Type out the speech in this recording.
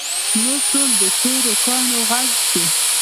نور ټول د تورو کاڼو غر شي.